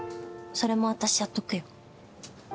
それも私やっとくよ。